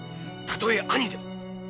たとえ兄でも。